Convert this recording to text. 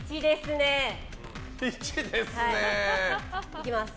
行きます。